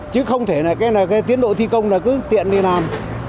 chứ không thể tiến bộ thi công cứ tiện đi làm